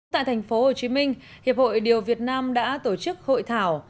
tại thành phố hồ chí minh hiệp hội điều việt nam đã tổ chức hội thảo